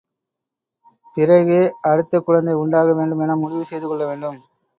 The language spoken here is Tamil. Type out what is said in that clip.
பிறகே அடுத்த குழந்தை உண்டாக வேண்டும் என முடிவு செய்து கொள்ள வேண்டும்.